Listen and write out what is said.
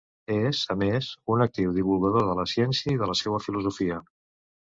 És, a més, un actiu divulgador de la ciència i de la seua filosofia.